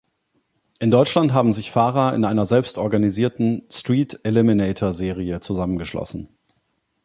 In Deutschland haben sich Fahrer in einer selbst organisierten "Street Eliminator"-Serie zusammengeschlossen.